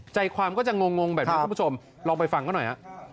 ใจความก็จะงงแบบนี้คุณผู้ชมลองไปฟังเขาหน่อยฮะ